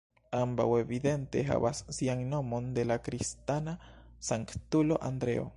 Ambaŭ evidente havas sian nomon de la kristana sanktulo Andreo.